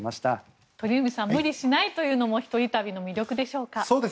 鳥海さん無理しないというのも一人旅の魅力でしょうか。